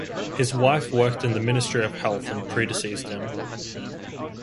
His wife worked in the Ministry of Health and predeceased him.